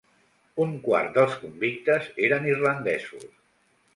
Un quart dels convictes eren irlandesos.